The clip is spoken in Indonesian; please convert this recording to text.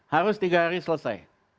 harus tiga hari selesai